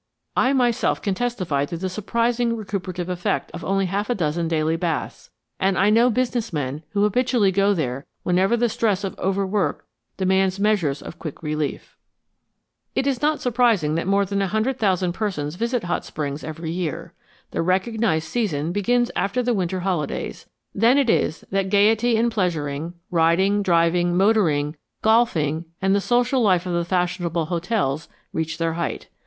I myself can testify to the surprising recuperative effect of only half a dozen daily baths, and I know business men who habitually go there whenever the stress of overwork demands measures of quick relief. [Illustration: ON HOT SPRINGS MOUNTAIN, HOT SPRINGS OF ARKANSAS] [Illustration: BATH HOUSE ROW, HOT SPRINGS OF ARKANSAS] It is not surprising that more than a hundred thousand persons visit Hot Springs every year. The recognized season begins after the winter holidays; then it is that gayety and pleasuring, riding, driving, motoring, golfing, and the social life of the fashionable hotels reach their height.